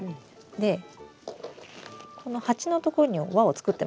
でこの鉢のところに輪を作ってましたよね。